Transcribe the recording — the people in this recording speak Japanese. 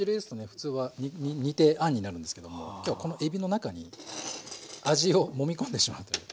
普通は煮てあんになるんですけども今日はこのえびの中に味をもみ込んでしまうという。